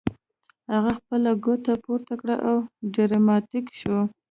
هغه خپله ګوته پورته کړه او ډراماتیک شو